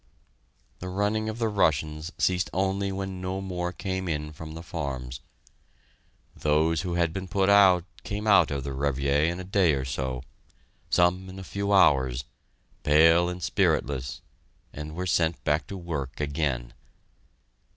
The running of the Russians ceased only when no more came in from the farms. Those who had been put out came out of the Revier in a day or so some in a few hours pale and spiritless, and were sent back to work again.